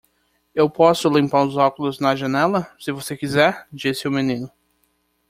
"Eu posso limpar os óculos na janela? se você quiser?" disse o menino.